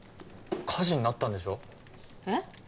火事になったんでしょえっ？